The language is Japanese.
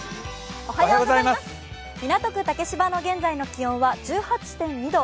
港区竹芝の現在の気温は１８．２度。